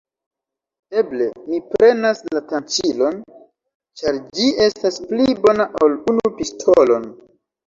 Eble mi prenas la tranĉilon, ĉar ĝi estas pli bona ol unu pistolon.